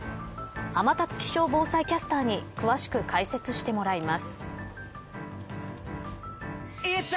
天達気象防災キャスターに詳しく解説してもらいます。